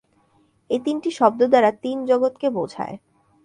এই তিনটি শব্দ দ্বারা তিন জগতকে বোঝায়।